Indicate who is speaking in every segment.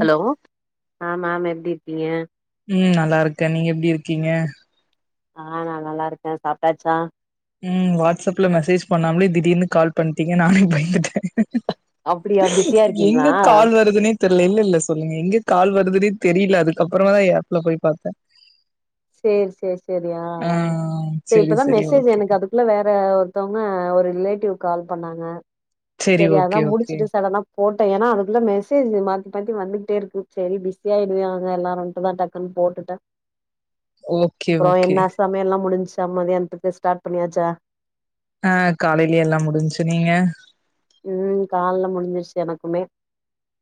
Speaker 1: Hello ஆமாமா எப்படி இருக்கீங்க
Speaker 2: உம்ம் நல்லா இருக்கேன் நீங்க எப்படி இருக்கீங்க
Speaker 1: ஆஹ் நான் நல்லா இருக்கேன் சாப்பிட்டாச்சா
Speaker 2: உம் வாட்ஸ்ஸப்புல மெசேஜ் பண்ணாமலே திடீர்னு கால் பண்டிங்க நானே பயந்துட்டேன்
Speaker 1: அப்டியா பிஸியா
Speaker 2: ம்
Speaker 1: இருக்கீங்களா
Speaker 2: எங்க கால் வருதுனே தெரில இல்ல இல்ல சொல்லுங்க எங்க கால் வருதுனே தெரியல அதுக்கப்புறமா தான் அப்ல போய் பாத்தேன்
Speaker 1: சேரி சேரி சேரி ஆ‌ ஆ
Speaker 2: செரி
Speaker 1: இப்பதான்
Speaker 2: செரி
Speaker 1: மெசேஜ்
Speaker 2: ஓகே
Speaker 1: எனக்கு அதுகுள்ள வேற ஒருத்தவங்க ஒரு ரிலேட்டிவ் கால் பண்ணாங்க
Speaker 2: செரி
Speaker 1: சேரி
Speaker 2: ஓகே
Speaker 1: அதான்
Speaker 2: ஓகே
Speaker 1: முடிச்சுட்டு சடனா போட்டேன் ஏன்னா அதுக்குள்ள மெசேஜ் மாத்தி மாத்தி வந்துகிட்டே இருக்கு சேரி பிஸியாயிருவ எல்லாரும்ட்டு தான் டக்குன்னு போட்டுட்டேன்
Speaker 2: ஓகே
Speaker 1: எப்புறம்
Speaker 2: ஓகே
Speaker 1: என்ன சமையல்லாம் முடிஞ்ச்சு சம் மத்தியானத்துக்கு ஸ்டார்ட் பண்ணியாச்சா
Speaker 2: ஆஹ் காலையிலே யெல்லாம் முடிஞ்சு நீங்க
Speaker 1: உம் கால்லே முடிஞ்சிருச்சு யெனக்குமே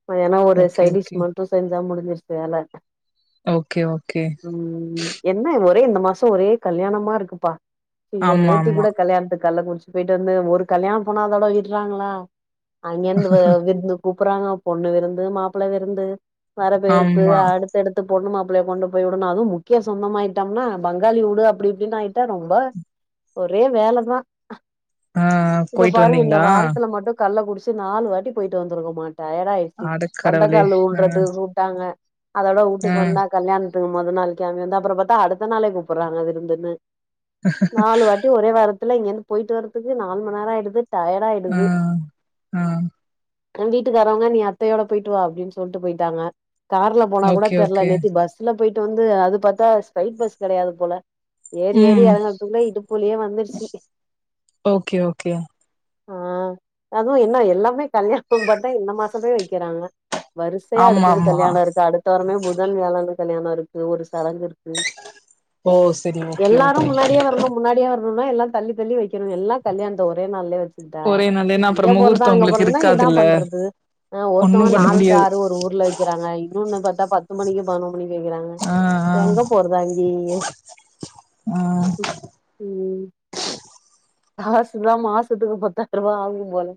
Speaker 1: மத்தியானம் ஒரு
Speaker 2: ஓகே
Speaker 1: சைடிஷ்
Speaker 2: ஓகே
Speaker 1: மட்டும் சைன்ஸா முடி ம் சேலா
Speaker 2: ஓகே ஓகே
Speaker 1: உம் ம் என்ன ஒரு ஒரே இந்த மாசம் ஒரே கல்யாணமா இருக்குப்பா அய்யோ
Speaker 2: ஆமா
Speaker 1: நேத்தி
Speaker 2: ஆமா
Speaker 1: கூட கல்யாணத்து கல்லகுரிச்சிக்கு போயிட்டு வந்து ஒரு கல்யாண போனாதோட விட்றாங்களா அங்கயந்து விந்து கூப்றாங்க பொண்ணு விருந்து மாப்பிளை விருந்து வர வேர்ப்பு
Speaker 2: ஆமா
Speaker 1: அடுத்தடுத்து பொண்ணு மாப்பி உள்ள கொண்டு போய் விடனும் அதுவும் முக்கிய சொந்தமாயிட்டோம்னா பங்காலி உடு அப்டி இப்டின்னு ஆயிட்டா ரொம்ப ஒரே வேலதான்
Speaker 2: ஆஹ் ஹ் போய்ட்டு வந்தீங்களா
Speaker 1: அப்றம் கள்ள குடிச்சு நாலு வாட்டி போயிட்டு வந்துரனும் போல டையடாயிருச்சு
Speaker 2: அடக்கடவுளே
Speaker 1: வந்தக்கால்
Speaker 2: ஆ
Speaker 1: ஊன்டறதுக்கு கூட்டாங்க அதோட
Speaker 2: ஆ
Speaker 1: உட்டுக்கு வந்தா கல்யாணத்துக்கு முத நாள்கி வந்து அப்புறம் பாத்தா அடுத்த நாளே கூப்றாங்க விருந்துன்னு நாலு வாட்டி ஒரே வாரத்துல இங்கிருந்து போய்ட்டு வரதுக்கு நாலுமணேரம் ஆயிடுது டயர்ட்டாயிடுது உம்
Speaker 2: ஆ
Speaker 1: ம்
Speaker 2: ஆ
Speaker 1: ஆஹ் வீட்டுக்காரவங்க நீ அத்தையோட போயிட்டு வா அப்டின்னு சொல்ட்டு போயிட்டாங்க கார்ல போனா கூட
Speaker 2: ஓகே
Speaker 1: தெர்ல
Speaker 2: ஓகே
Speaker 1: நேத்து பஸ்ல போயிட்டு வந்து அது பாத்தா ஸ்பைட் பஸ் கிடையாது போல ஏறி ஏறி
Speaker 2: ம்
Speaker 1: இறங்கறதுக்குள்ள இடுப்பலியே வந்துருச்சு
Speaker 2: ஓகே ஓகே
Speaker 1: ஆஹ் அதுவும் என்ன யெல்லாமே கல்யாணம் பார்த்தா இந்த மாசமே வைக்கிறாங்க வரிசையா
Speaker 2: ஆமா
Speaker 1: அடுத்ததுடுத்து
Speaker 2: ஆமா
Speaker 1: கல்யாணம் இருக்கு அடுத்த வரமே புதன் வியாழன் கல்யாணம் இருக்கு ஒரு சடங்குருக்கு
Speaker 2: ஓ செரி ஓகே ஓகே
Speaker 1: எல்லாரும் முன்னாடியே வரணும் முன்னாடியே வர ஆனா எல்லாம் தள்ளி தள்ளி வைக்கணும் எல்ல கல்யாணத்தை ஒரே நாள்ளே வச்சிருதா
Speaker 2: ஒரே நாள் ஏன்னா அப்புறோ
Speaker 1: இங்க போறதா
Speaker 2: முகூர்த்தோ
Speaker 1: அங்க
Speaker 2: உங்களுக்கு
Speaker 1: போறதுன்னா ஏதான்
Speaker 2: இருக்காதுல்ல
Speaker 1: பண்றது ஆஹ்
Speaker 2: ஒண்ணு
Speaker 1: ஒருத்தவங்க
Speaker 2: பண்ண
Speaker 1: நாலு டு
Speaker 2: முடியாது
Speaker 1: ஆறு ஒரு ஊர்ல வைக்கிறாங்க இன்னொன்னு பார்த்தா பத்து மணிக்கு பதினோர் மணிக்கு வைக்கிறாங்க
Speaker 2: ஆ
Speaker 1: எங்க போறதான்டி
Speaker 2: ஆ ஆ
Speaker 1: ம் உகும் ஆ சொல்லம்மா ஆசத்துக்கு பத்துருவா அகும் போல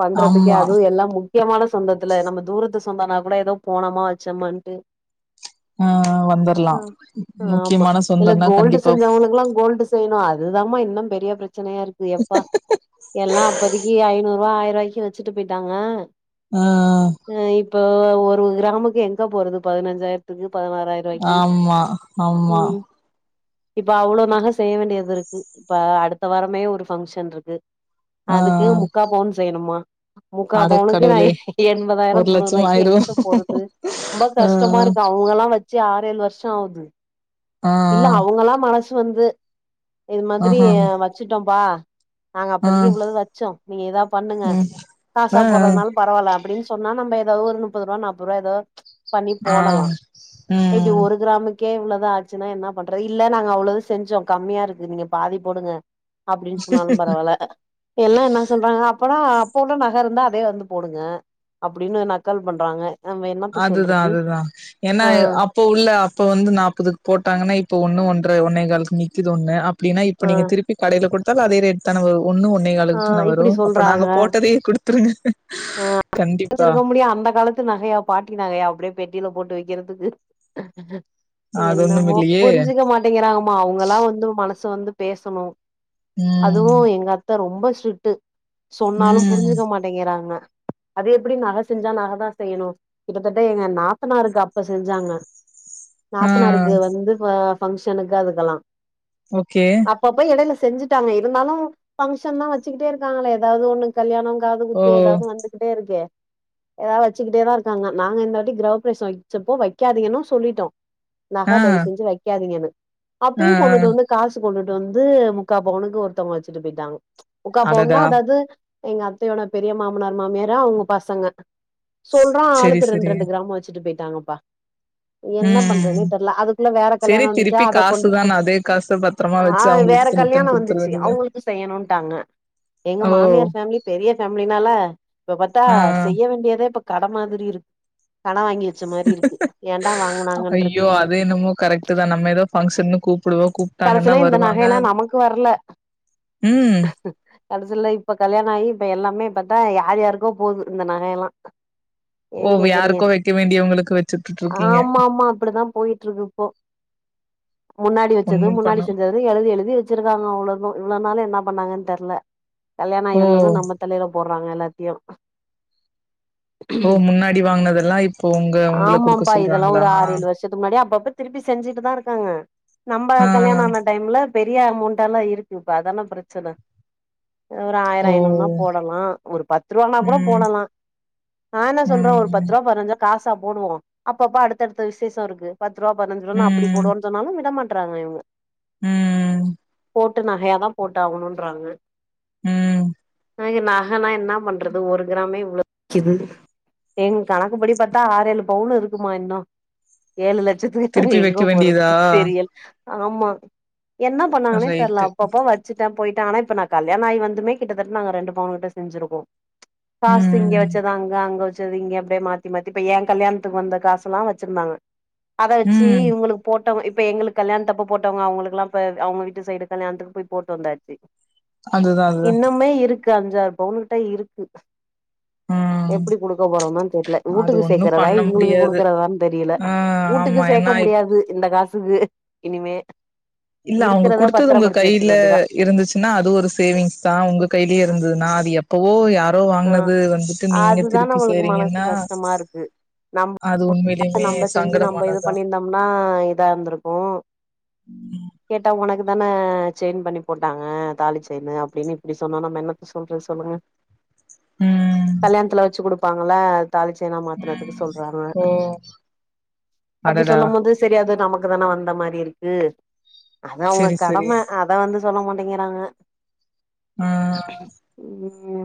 Speaker 1: பண்றதுக்கே
Speaker 2: ஆமா
Speaker 1: அதுவும் எல்லாம் முக்கியமான சொந்தத்துல நம்ம தூரத்து [inaudible] சொந்தனா கூட ஏதோ போனமா வச்சோம்மாண்ட்டு
Speaker 2: ஆ வந்துர்லா
Speaker 1: ஹ் ஆமா
Speaker 2: முக்கியமான
Speaker 1: இல்ல
Speaker 2: சொந்தன்னா
Speaker 1: கோல்டு
Speaker 2: கண்டிப்பா
Speaker 1: செஞ்சவனுக்கெல்லாம் கோல்டு செய்யணும் அது அதுதான் மா இன்னும் பெரிய பிரச்சனையா இருக்கு எப்பா யெல்லா அப்பொதிக்கு ஐநூறுவா ஆயர்வாய்க்கு வச்சுட்டு போயிட்டாங்கா
Speaker 2: ஹ ஹம்
Speaker 1: இப்ப ஒரு உறவு கிராம்க்கு எங்க போறது பதினஞ்சாயிரத்துக்கு பதினாருவாக்கி
Speaker 2: ஆமா ஆமா
Speaker 1: உம் இப்ப அவ்வளவு நகை செய்ய வேண்டியதிருக்கு இப்ப அடுத்த வாரமே ஒரு ஃபங்க்ஷன் இருக்கு
Speaker 2: ஆ
Speaker 1: அதுக்கு முக்கா பவுன் செய்யணுமா முக்கா பவுனுக்கு நான்
Speaker 2: அடக்கடவுளே
Speaker 1: இகி
Speaker 2: ஒரு
Speaker 1: எண்பதாயிரம்
Speaker 2: லட்சம்
Speaker 1: தொண்ணூர்வாய்க்கு
Speaker 2: ஆயிரு
Speaker 1: எங்கத்த போறது ரொம்ப
Speaker 2: ஆ
Speaker 1: கஷ்டமா இருக்கு அவுங்கெல்லாம் வச்சு இப்பயே ஆறு ஏழு வருஷம் ஆகுது
Speaker 2: ஆ
Speaker 1: இல்ல அவுங்கெல்லாம் மனசு வந்து இது மாதிரி ஆ வச்சுட்டோம்‌ பா ஆ இப்போதிக்கி இவ்வளது வச்சோம் நீங்க ஏத பண்ணுங்க
Speaker 2: ம்
Speaker 1: காசா போட்றதுனாலும் பரவால்ல அப்படின்னு சொன்னா நம்ம ஏதாவது ஒரு முப்பது ரூபா நாப்பது ரூபா ஏதது உஜ் பண்ணி
Speaker 2: ஆ ஆ
Speaker 1: போடலாம் இப்படி
Speaker 2: ம்
Speaker 1: ஒரு கிராம்க்கு கே இவ்ளோ தான் ஆச்சுன்னா என்ன பண்றது இல்ல நாங்க அவ்ளோ செஞ்சோம் கம்மியா இருக்கு நீங்க பாதி போடுங்க அப்படின்னு சொன்னாலும் பரவாயில்ல இப்ப எல்லாம் என்ன சொல்றாங்க அப்போனா அப்போ உள்ள நக இருந்தா அதே வந்து போடுங்க அப்டின்னு நக்கல் பண்றாங்க நம்ம என்னத்த
Speaker 2: அதுதான்
Speaker 1: சொல்றது
Speaker 2: அதுதான் ஏன்னா
Speaker 1: ஆ
Speaker 2: அப்ப உள்ள அப்ப வந்து நாற்பதுக்கு போட்டாங்கன்னா இப்ப ஒண்ணு ஒன்ற ஒன்ற ஒண்ணே கால நிக்கக்குது ஒண்ணு அப்படின்னா
Speaker 1: ஆ
Speaker 2: இப்ப நீங்க திருப்பி கடில கொடுத்தால அதே ரேட் தான வரும் ஒண்ணு ஒன்னே
Speaker 1: ஆ
Speaker 2: காலக்கு தான
Speaker 1: இப்டி
Speaker 2: வரும் அப்ப நாங்க போட்டதையே குடுத்துருங்க
Speaker 1: ஆஹ்
Speaker 2: கண்டிப்பா
Speaker 1: வச்சிருக்க முடியும் அந்த காலத்து நகையா பாட்டு ட்டி நகையா அப்படியே பெட்டியில போட்டு வைக்கிறதுக்கு
Speaker 2: அது ஒண்ணும்
Speaker 1: என்னமோ
Speaker 2: இல்லையே
Speaker 1: புரிஞ்சுக்க மாட்டேங்கிறாங்க அம்மா அவங்களா வந்து மனசு வந்து பேசணும் அதுவும்
Speaker 2: ம்
Speaker 1: எங்க அத்த ரொம்ப ஸ்ட்ரிக்ட் சொன்னாலும்
Speaker 2: ம்
Speaker 1: புரிஞ்சுக்க மாட்டேங்கிறாங்க அது எப்படி நக செஞ்சா நக தான் செய்யணும் கிட்டத்தட்ட எங்க நாத்தனாருக்கு அப்ப செஞ்சாங்க
Speaker 2: ஆ
Speaker 1: நாத்தனருக்கு வந்து அ பங்க்ஷனுக்கு அதுக்கு எல்லாம்
Speaker 2: ஓகே
Speaker 1: அப்ப அப்ப இடையில செஞ்சுட்டாங்க இருந்தாலும் பபங்க்ஷன் தான் வச்சுக்கிட்டே இருக்காங்களே ஏதாவது ஒண்ணு கல்யாணோ
Speaker 2: ஓ
Speaker 1: காதுகுத்து ஏதாவது வந்துகிட்டே இருக்கே ஏதாவது வச்சுக்கிட்டே தான் இருக்காங்க நாங்க இந்தாட்டி கிரகப்பிரேசம் வைச்சப்போ வைக்காததிங்கன்னு சொல்லிட்டோம் நகை
Speaker 2: ஆ
Speaker 1: தயவு செஞ்சு வைக்காதீங்கன்னு
Speaker 2: ஆ ஆ
Speaker 1: அப்பயும் கொண்டுட்டு வந்து காசு கொண்டுட்டு வந்து முக்கா பவுனுக்கு ஒருத்தவங்க வச்சுட்டு போயிட்டாங்க முக்கா பவுன்னன்னா
Speaker 2: அடடா
Speaker 1: அதாவது எங்க அத்தையோட பெரிய மாமனார் மாமியார அவங்க பசங்க சொல்றான்
Speaker 2: செரி
Speaker 1: ஆளுக்கு
Speaker 2: செரி
Speaker 1: ரெண்டு ரெண்டு கிராம வச்சுட்டு போயிட்டாங்கப்பா என்ன
Speaker 2: ம்
Speaker 1: பண்றேன்னே தெரல அதுக்குள்ள வேற
Speaker 2: செரி
Speaker 1: கல்யாணம் வந்துச்சா
Speaker 2: திருப்பி
Speaker 1: அத கொண்டுட்டு
Speaker 2: காசுதான
Speaker 1: போய்
Speaker 2: அதே காச பத்திரமா வச்சு
Speaker 1: அஹ் வேற
Speaker 2: அவங்களுக்கு ரிட்டன்
Speaker 1: கல்யாணோ
Speaker 2: குடுத்துற
Speaker 1: வந்துச்சு
Speaker 2: வேண்டியதா
Speaker 1: அவங்களுக்கு செய்யணுடாங்க எங்க
Speaker 2: ஓ
Speaker 1: மாமியார் பேமிலி பெரிய பேமலினால இப்ப பாத்தா
Speaker 2: ஆ ஆ
Speaker 1: செய்ய வேண்டியதே இப்ப கடை மாதிரி இருக்கு கடன் வாங்கி இச்ச மாரி இருக்கு ஏடா வாங்கனாங்கன்னு இட்ருக்கு
Speaker 2: ஐயோ அது என்னமோ கரெக்ட்டு தான். நம்ம ஏதோ ஃபங்ஷன்னு கூப்பிடுவோம். கூப்ட்டாங்கன்னா
Speaker 1: கடைசில இந்த
Speaker 2: வருவாங்க.
Speaker 1: நகை எல்லாம் நமக்கு வரல
Speaker 2: ம்.
Speaker 1: கடைசியில இப்ப கல்யாணோ ஆகி இப்ப எல்லாமே பாத்தா யார் யாருக்கோ போகுது இந்த நகை எல்லாம்
Speaker 2: ஓ
Speaker 1: ஏன் கேக்குறீங்க
Speaker 2: யாருக்கோ வைக்க வேண்டியவங்களுக்கு வச்சுட்டுட்ருக்கீங்க.
Speaker 1: ஆமா ஆமா அப்படிதா போயிட்டு ோ முன்னாடி வச்சது
Speaker 2: ஒண்ணும்
Speaker 1: முன்னாடி
Speaker 2: பண்ண
Speaker 1: செஞ்ச எழுதி எழுதி குடிச்சிருக்காங்க அவ்ளோ தா இவ்ளோ நாள் என்ன பண்ணாங்கன்னு தெரியல கல்யாணோ
Speaker 2: ஓ!
Speaker 1: ஆயி வந்தும் நம்ம தலைல பொறாங்க எல்லாத்தியும்
Speaker 2: ஓ முன்னாடி வாங்குனதெல்லாம் இப்போ உங்க உங்கள குடுக்க
Speaker 1: ஆமாம்பா இதெல்லாம்
Speaker 2: சொல்றாங்களா?
Speaker 1: ஒரு ஆறு ஏழு வருஷத்துக்கு முன்னாடி அப்ப அப்ப திருப்பி செஞ்சுட்டு தான் இருக்காங்க நம்ம
Speaker 2: ஆ.
Speaker 1: நம்ப கல்யாணம் ஆன டைம்ல பெரிய அமௌண்ட் எல்லாம் இருக்கு இப்ப அதான பிரச்சனை ஒரு
Speaker 2: ஓ!
Speaker 1: ஆயிரம் ஐநூறுனா போடலாம் ஒரு பத்து ரூவானா கூட
Speaker 2: ம்.
Speaker 1: போடலாம் ஆ நா சொல்றேன் ஒரு பத்து
Speaker 2: ம்.
Speaker 1: ரூவா பஞ்சுருவா காசு போடுவோம் அப்ப அப்ப அடுத்த அடுத்த விசேஷம் இருக்கு பத்து ரூவா பதினஞ்ச ரூவான்னு அப்படி போடுவோன்னு சொன்னாலும் விடமாட்ட ற்றாங்க இவங்க
Speaker 2: உஹம்
Speaker 1: போட்டு நகையா தான் போட்டு ஆகணும்ன்றாங்க
Speaker 2: உம்
Speaker 1: எனக்கு நகனா என்ன பண்றது ஒரு கிராமே இவ்ளோக்குது எங்க கணக்குப்படி பாத்தா ஆறு ஏழு பவுன் இருக்குமா இன்னும் ஏழு லட் இச்சத்துக்கு
Speaker 2: திருப்பி
Speaker 1: எங்க
Speaker 2: வைக்க வேண்டியதா?
Speaker 1: போறது தெரியல ஆமா என்ன பண்ணாங்கன்னே தெரல
Speaker 2: ரைட்டு.
Speaker 1: அப்ப அப்ப வச்சுட்டேன் போயிட்டு டானா ஆனா இப்ப நான் கல்யாணம் ஆ வந்துமே கிட்டத்தட்ட நாங்க ரெண்டு பவுனு கிட்ட செஞ்சுருக்கோம் காசு இங்க
Speaker 2: ம்.
Speaker 1: வெச்சத அங்க அங்க வெச்ச வெச்சது இங்க அப்படியே மாத்தி மாத்தி இப்ப ஏன் கல்யாணத்துக்கு வந்த காசு எல்லாம் வெச்சிருந்தாங்க அத வெச்சு
Speaker 2: ம்.
Speaker 1: இவங்களுக்கு போட்டோம் இப்ப எங்களுக்கு கல்யாணத்த அப்ப போட்டவங்க அவங்களுக்கு எல்லாம் இப்ப அவங்க வீட்டு சைடு கல்யாணத்துக்கு போய் போட்டு வந்தாச்சு
Speaker 2: அதுதான் அதுதான்
Speaker 1: க்கு அஞ்சாறு பவுனு கிட்டா இருக்கு
Speaker 2: ம்.
Speaker 1: எப்படி குடுக்க போறோம்னனு தெரியல
Speaker 2: அது
Speaker 1: வீட்டுக்கு
Speaker 2: ஒண்ணும்
Speaker 1: சேர்க்கறதா
Speaker 2: பண்ண
Speaker 1: இவங்களுக்கு
Speaker 2: முடியாது.
Speaker 1: குடுக்கறதான்னு தெரியல
Speaker 2: ஆ
Speaker 1: வீட்டுக்கு
Speaker 2: ஆமா.
Speaker 1: சே கேட்க
Speaker 2: ஏன்னா
Speaker 1: முடியாது இந்த காசுக்கு இனிமே
Speaker 2: இல்ல அவங்க
Speaker 1: இருக்கறத
Speaker 2: குடுத்தது உங்க
Speaker 1: பத்திரப்படுத்தி வச்சுக்க
Speaker 2: கையில
Speaker 1: வேண்டியதா
Speaker 2: இருந்துச்சுன்னா அது ஒரு சேவிங்ஸ் தான் உங்க கையிலயே
Speaker 1: அ
Speaker 2: இருந்ததுன்னா அ எப்பவோ யாரோ
Speaker 1: ஆ
Speaker 2: வாங்கினது வந்துட்டு நீங்க
Speaker 1: அதுதா
Speaker 2: திருப்பி செய்றீங்கன்னா
Speaker 1: நம்
Speaker 2: அது உண்மையிலயுமே
Speaker 1: நம்ம செஞ்சு நம்ம இது
Speaker 2: சங்கடமானதுதா
Speaker 1: பண்ணியிருந்தோம்னா இதா இருந்திருக்கும்மோ கேட்டா உனக்கு தானே செயின் பண்ணி போட்டாங்க தாலி செயின் அப்படின்னு இப்படி சொன்னோம் நம்ம என்னத்த சொல்ற சொல்லுங்க
Speaker 2: ம்
Speaker 1: கல்யாணத்துல வச்சு குடுப்பாங்கள தாலிச்செயின்னா மாத்தினதுக்கு
Speaker 2: ம்
Speaker 1: சொல்றாங்க
Speaker 2: ஓ
Speaker 1: அப்படி
Speaker 2: அடடா
Speaker 1: சொல்லும் போது செரியது நமக்கு தானே வந்த மாதிரி இருக்கு அத அவங்க
Speaker 2: செரி செரி
Speaker 1: கடமை அத வந்து சொல்ல மாட்டேங்கிறாங்க
Speaker 2: ஆஹ்
Speaker 1: உம்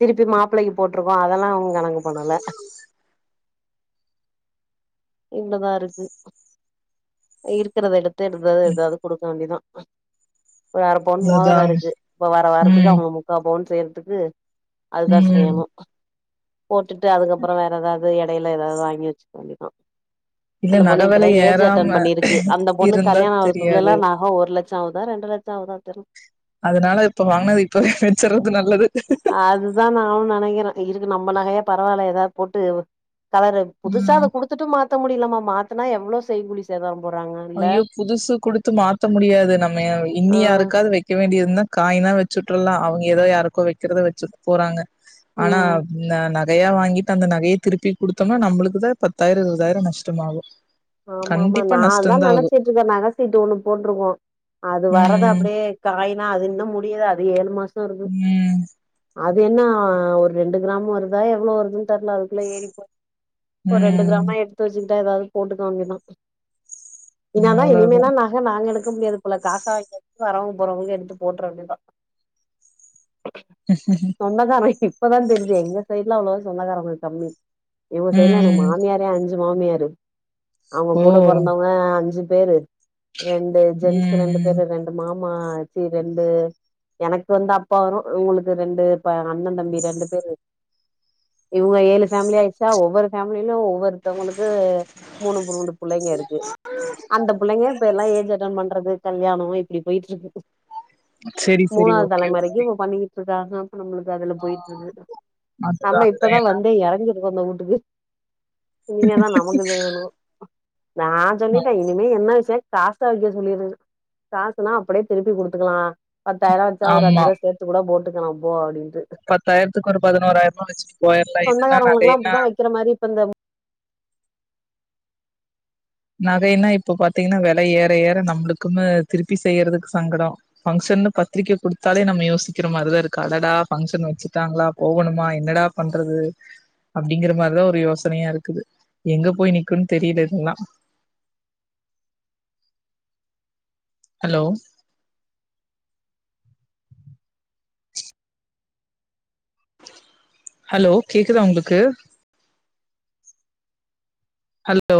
Speaker 1: திருப்பி மாப்பிள்ளைக்கு போட்டிருக்கோம் அதெல்லாம் அவங்க கணக்கு பண்ணல இவ்வளவுதான் இருக்கு இருக்கிறத எடுத்து இருந்தது எதாவது கொடுக்க வேண்டிதான் ஒரு அரை பவுன்
Speaker 2: அவ்ளோதா
Speaker 1: மோதிரம் இருக்கு இப்ப வர வரறதுக்கு
Speaker 2: ம்
Speaker 1: அவங்க முக்கால் பவுன் செய்யறதுக்கு அதுதான்
Speaker 2: ம்
Speaker 1: செய்யணும் போட்டுட்டு அதுக்கப்புறம் வேற ஏதாவது இடையில ஏதாவது வாங்கி வச்சுக்க வேண்டியதுதான்
Speaker 2: இல்ல
Speaker 1: அந்த
Speaker 2: நக
Speaker 1: பொண்ணு
Speaker 2: வெல
Speaker 1: இப்பதான் ஏஜ் அட்டன்
Speaker 2: ஏறாம
Speaker 1: பண்ணிருக்கு அந்த பொண்ணு
Speaker 2: இருந்தா
Speaker 1: கல்யாணம் ஆறதுக்குள்ள
Speaker 2: தெரியாது
Speaker 1: எல்லாம் நக ஒரு லட்சம் ஆகு தா ரெண்டு லட்சம் ஆகுதா தெரில
Speaker 2: அதனால இப்ப வாங்கினது இப்பவே செஞ்சறது நல்லது
Speaker 1: அதுதான் நானும் நினைக்கிறேன் இருக்கு நம்ம நகையா பரவாயில்ல ஏதாவது போட்டு கலரு
Speaker 2: ம்
Speaker 1: புதுசாதை குடுத்துட்டு மாத்த முடியலாமமா மாத்தனா எவ்வளவு செய்கூலி சே
Speaker 2: ஐ்யோ புதுசு குடுத்து மாத்த முடியாது நம்ம
Speaker 1: ஆ
Speaker 2: இன்னியாருக்காவது வைக்க வேண்டியது என்ன காய்னா வச்சுட்டுரலாம் அவங்க ஏதோ யார்கோ வைக்கிறத வச்சுட்டு போறாங்க ஆனா
Speaker 1: ம்
Speaker 2: [unintelligible] நகையா வாங்கிட்டு அந்த நகையை திருப்பி கொடுத்தோம்னா நம்மளுக்கு தான் பத்தாயிரம் இருபதாயிரம் நஷ்ட ஆகும்
Speaker 1: ஆமா ஆமா நான் தான் நினைச்சிட்டு இருக்கேன் நகசீட்டு ஒண்ணு போட்டிருக்கோம் அது வரறது
Speaker 2: ம்
Speaker 1: அப்படியே காயனா அது இன்னும் முடியல அது ஏழு மாசம்
Speaker 2: உம்
Speaker 1: அது என்ன ஒரு ரெண்டு கிராம் வருதா எவ்வளவு வருதுன்னு தெரல அதுக்குள்ள ஏறி போய் ஒரு ரெண்டு
Speaker 2: ம்
Speaker 1: கிராம எடுத்து வச்சுக்கிட்டா ஏதாவது போட்டுக்கங்கதான் இனதான்
Speaker 2: அவ்ளோதா
Speaker 1: இனிமேலல்லாம் நக நாங்க இருக்க முடியாது போல காசா வா வரவுங்க போறவங்க எடுத்து போட்டுற வேண்டியது தான் சொந்தகாரம் இப்பதான் தெரியுது எங்க சைட்லாம் அவ்ளவுவ சொந்தகாரம் கொஞ்சம் கம்மி இவங்க சைடுல
Speaker 2: ம்
Speaker 1: மாமியாரோ அஞ்சு மாமியாரு அவங்க
Speaker 2: ஓ
Speaker 1: கூட பிறந்தவங்க அஞ்சு பேரு ரெண்டு ஜென்ஸ் ரெண்டு
Speaker 2: ம்
Speaker 1: பேரு ரெண்டு மாமா ஆமா சி ரெண்டு எனக்கு வந்து அப்பா வரும் உங்களுக்கு ரெண்டு அண்ணன் தம்பி ரெண்டு பேரு இவங்க ஏழு பேஃமிலி ஆயிடுச்சா ஒவ்வொரு பேஃமிலும் ஒவ்வொருத்தவங்களுக்கு மூணு மூண்டு பிள்ளைங்க இருக்கு அந்த பிள்ளைங்க இப்ப எல்லாம் ஏஜ் அட்ட பண்றது கல்யாணம் இப்படி போயிட்டு இருக்கு
Speaker 2: செரி செரி
Speaker 1: மூணாவது
Speaker 2: ஓகே ஓகே
Speaker 1: தலைமுறைக்கும் இ பண்ணிட்டு நம்மளுக்கு அதுல
Speaker 2: ஆ
Speaker 1: போயட்டுருக்கு
Speaker 2: அதுதா
Speaker 1: நம்ம
Speaker 2: அதுதா
Speaker 1: இப்பதான்
Speaker 2: ஏன்னா
Speaker 1: வந்து இற சொந்த வீட்டுக்கு இனிமே தான் நம்ம செய்யணும் நான் சொல்லிட்டே இனிமே என்ன காசா வைக்க சொல்லிருங்க காசுன்னா அப்படியே திருப்பி குடுத்துக்கலாம் பத்தாயிரம் வச்சா
Speaker 2: ஆமா
Speaker 1: ஒருஅஞ்சரூவா சேர்த்த கூட போட்டுக்கலாம் போ அப்படின்னு
Speaker 2: பத்தாயிரத்துக்கு ஒரு பதினோராயிரமா வச்சுட்டு போயிரலா இதுன்னா
Speaker 1: சொந்தக்காரவங்களுக்குல்லாம்
Speaker 2: நகைன்னா
Speaker 1: அப்படித்தான் வைக்கிற மாதிரி இப்ப இந்த
Speaker 2: நகைனா இப்ப பாத்தீங்கன்னா விலை ஏற ஏற நம்மளுக்குமே திருப்பி செய்றதுக்கு சங்கடம் பங்சன் பத்திரிக்கை கைடுத்தாலே நம்ம யோசிக்கிற மாரிதான் இருக்கு அடடா பங்ஷன் வச்சுட்டாங்களா போகணுமா என்னடா பண்ண பண்றது அப்படிங்கற மாதிரிதான் ஒரு யோசனையா இருக்குது எங்க போய் நிக்கும்ன்னு தெரியல இதெல்லாம் ஹலோ ஹலோ கேக்குதா உங்களுக்கு ஹலோ